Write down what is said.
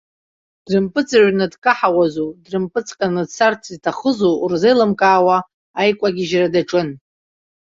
Дрымпыҵыҩрны дкаҳауазу, дрымпыҵҟьаны дцарц иҭахызу рзеилымкаауа, аикәагьежьра даҿын.